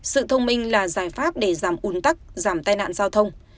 sự thông minh là giải pháp để giảm un tắc giảm tai nạn giao thông